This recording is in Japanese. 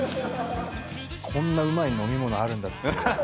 こんなうまい飲み物あるんだっていう。